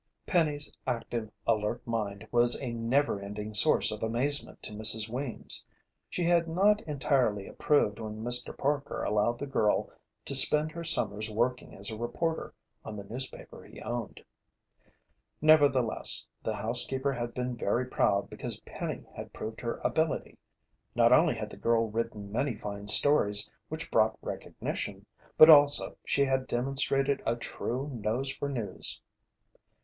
Penny's active, alert mind was a never ending source of amazement to Mrs. Weems. She had not entirely approved when Mr. Parker allowed the girl to spend her summers working as a reporter on the newspaper he owned. Nevertheless, the housekeeper had been very proud because Penny had proved her ability. Not only had the girl written many fine stories which brought recognition, but also she had demonstrated a true "nose for news."